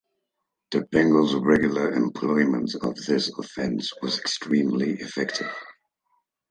The Bengals' regular employment of this offense was extremely effective.